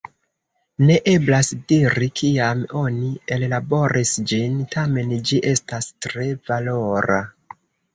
Ne eblas diri, kiam oni ellaboris ĝin, tamen ĝi estas tre valora.